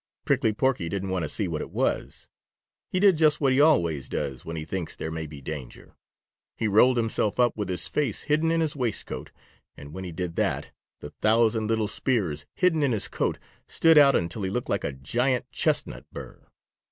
Prickly Porky didn't wait to see what it was. He did just what he always does when he thinks there may be danger; he rolled himself up with his face hidden in his waistcoat, and when he did that, the thousand little spears hidden in his coat stood out until he looked like a giant chestnut burr.